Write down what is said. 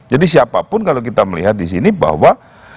jadi siapapun kalau kita melihat di sini bahwa